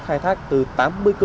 khai thác từ tám mươi km một giờ